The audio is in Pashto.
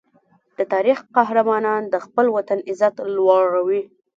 د تاریخ قهرمانان د خپل وطن عزت لوړوي.